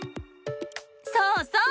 そうそう！